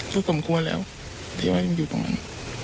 นี่ก็สมควรแล้วอยู่กับมัน